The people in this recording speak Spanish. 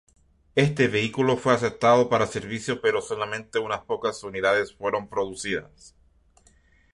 Este vehículo fue aceptado para servicio pero solamente unas pocas unidades fueron producidas.